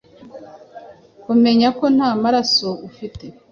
kumenya ko nta maraso ufite